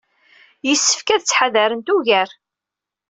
Yessefk ad ttḥadarent ugar.